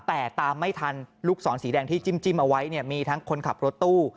แต่ตามไม่ทันลูกศรสีแดงที่จิ้มเอาไว้เนี่ยมีทั้งคนขับรถตู้